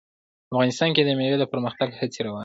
افغانستان کې د مېوې د پرمختګ هڅې روانې دي.